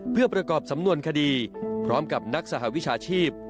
เพื่อประกอบสำนวนคดีพร้อมกับนักสหวิชาชีพ